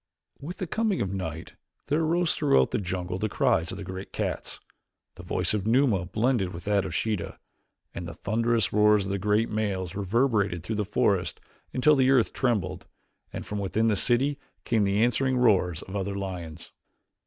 With the coming of night there arose throughout the jungle the cries of the great cats, the voice of Numa blended with that of Sheeta, and the thunderous roars of the great males reverberated through the forest until the earth trembled, and from within the city came the answering roars of other lions.